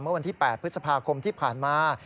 วันที่๘พฤษภาคมที่ผ่านมา